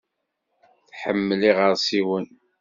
Tḥemmel iɣersiwen.